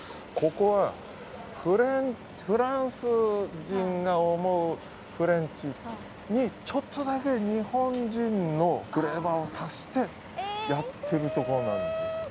ここはフランス人が思うフレンチにちょっとだけ日本人のフレーバーを足してやってるところなんですよ。